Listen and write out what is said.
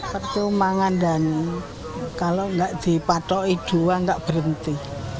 pertumbangan dan kalau tidak dipatok i dua tidak berhenti